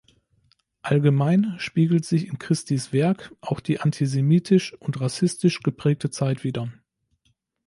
Allgemein spiegelt sich in Christies Werk auch die antisemitisch und rassistisch geprägte Zeit wider.